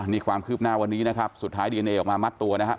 นี่ความคืบหน้าวันนี้นะครับสุดท้ายดีเอนเอออกมามัดตัวนะครับ